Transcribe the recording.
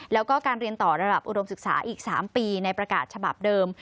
แล้วก็การเรียนต่อระดับอุดมศึกษาอีก๓ปีในประกาศฉบับเดิม